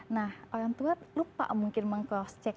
nah orang tua lupa mungkin meng cross check